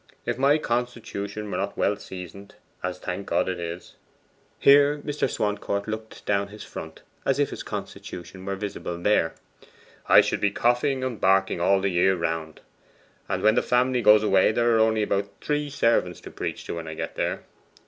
If my constitution were not well seasoned, as thank God it is,' here Mr. Swancourt looked down his front, as if his constitution were visible there, 'I should be coughing and barking all the year round. And when the family goes away, there are only about three servants to preach to when I get there.